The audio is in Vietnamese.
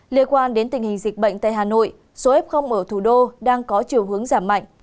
liên quan đến tình hình dịch bệnh tại hà nội số f ở thủ đô đang có chiều hướng giảm mạnh